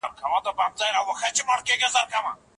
اوس وایه شیخه ستا او که به زما ډېر وي ثواب